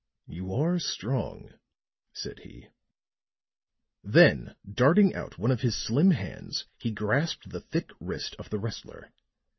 "You are strong," said he. Then darting out one of his slim hands he grasped the thick wrist of the wrestler.